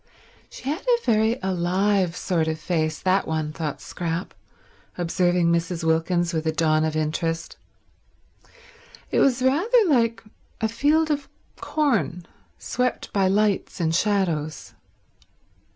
She had a very alive sort of face, that one, thought Scrap, observing Mrs. Wilkins with a dawn of interest. It was rather like a field of corn swept by lights and shadows.